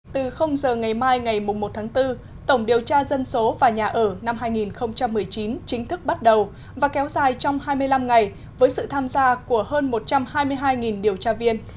từ giờ ngày mai ngày một tháng bốn tổng điều tra dân số và nhà ở năm hai nghìn một mươi chín chính thức bắt đầu và kéo dài trong hai mươi năm ngày với sự tham gia của hơn một trăm hai mươi hai điều tra viên